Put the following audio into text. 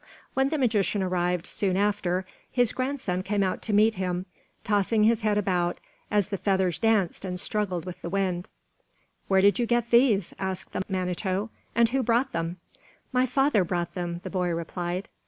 When the magician arrived, soon after, his grandson came out to meet him, tossing his head about as the feathers danced and struggled with the wind. "Where did you get these," asked the Manito, "and who brought them?" "My father brought them," the boy replied.